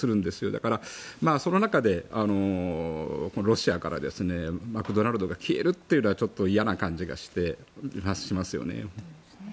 だから、その中でロシアからマクドナルドが消えるというのはちょっと嫌な感じがしますよね。